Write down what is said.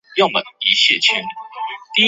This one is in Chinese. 朝鲜目前的执政党为朝鲜劳动党。